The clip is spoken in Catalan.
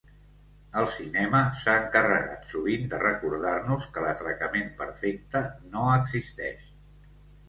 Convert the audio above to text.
El cinema s'ha encarregat, sovint, de recordar-nos que l'atracament perfecte no existeix.